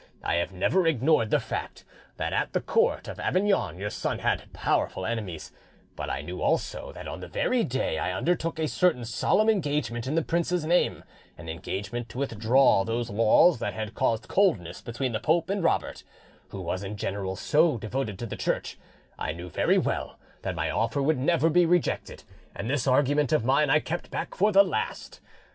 I have never ignored the fact that at the court of Avignon your son had powerful enemies; but I knew also that on the very day I undertook a certain solemn engagement in the prince's name, an engagement to withdraw those laws that had caused coldness between the pope and Robert; who was in general so devoted to the Church, I knew very well that my offer would never be rejected, and this argument of mine I kept back for the last.